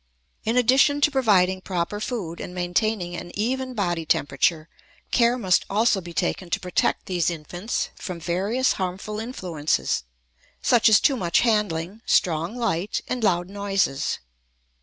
In addition to providing proper food and maintaining an even body temperature, care must also be taken to protect these infants from various harmful influences such as too much handling, strong light, and loud noises.